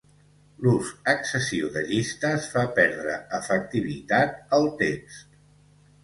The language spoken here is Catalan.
L'ús excessiu de llistes fa perdre efectivitat al text.